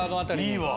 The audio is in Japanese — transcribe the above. いいわ。